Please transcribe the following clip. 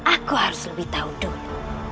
aku harus lebih tahu dulu